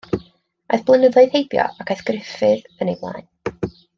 Aeth blynyddoedd heibio, ac aeth Gruffydd yn ei flaen.